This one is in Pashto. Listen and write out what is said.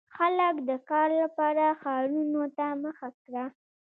• خلک د کار لپاره ښارونو ته مخه کړه.